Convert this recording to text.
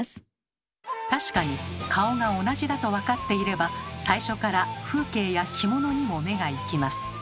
確かに顔が同じだと分かっていれば最初から風景や着物にも目が行きます。